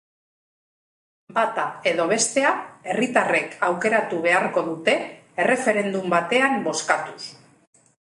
Bata edo bestea, herritarrek aukeratu beharko dute, erreferendum batean bozkatuz.